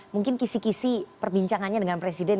mungkin kisih kisih perbincangannya dengan presiden